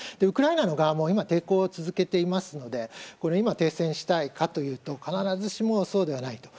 ウクライナの側も抵抗を続けていますので今、停戦したいかというと必ずしもそうではない。